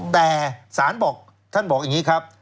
แต่สารบอกท่านบอกอย่างนี้ครับ